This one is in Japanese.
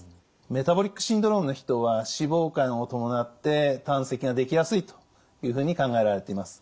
メタボリックシンドロームの人は脂肪肝を伴って胆石ができやすいというふうに考えられています。